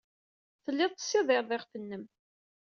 Telliḍ tessidireḍ iɣef-nnem.